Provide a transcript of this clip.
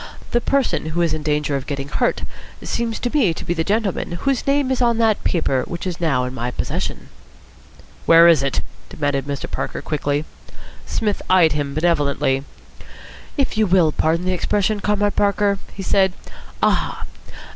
The person who is in danger of getting hurt seems to me to be the gentleman whose name is on that paper which is now in my possession." "Where is it?" demanded Mr. Parker quickly. Psmith eyed him benevolently. "If you will pardon the expression, Comrade Parker," he said, "'Aha!'